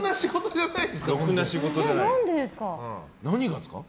何でですか？